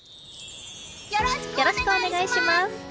よろしくお願いします！